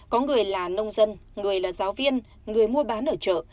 có người là nông dân người là giáo viên người mua bán ở chợ